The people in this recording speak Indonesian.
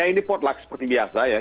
ini potluck seperti biasa ya